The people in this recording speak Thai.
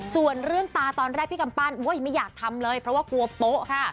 ส่วนเรื่องตาตอนแรกพี่กำปั้นไม่อยากทำเลยเพราะว่ากลัวโป๊ะค่ะ